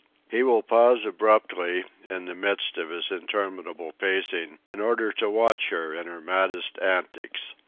He will pause abruptly, in the midst of his interminable pacing, in order to watch her in her maddest antics.